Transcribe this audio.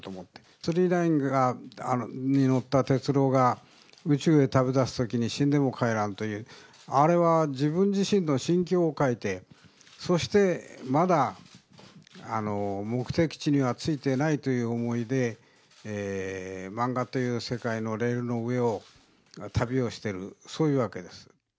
９９９に乗った鉄郎が、宇宙へ旅立つときに死んでも帰らんという、あれは自分自身の心境を描いて、そして、まだ目的地には着いてないという思いで、漫画という世界のレールの上を旅をしてる、そういうわけです。